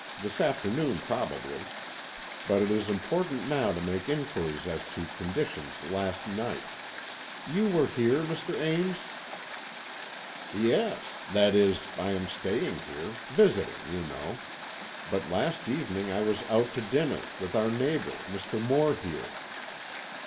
This afternoon, probably. But it is important now to make inquiries as to conditions last night. You were here, Mr. Ames?" "Yes,—that is, I am staying here, visiting, you know,—but last evening I was out to dinner, with our neighbour, Mr. Moore here."